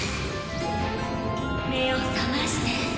目を覚まして。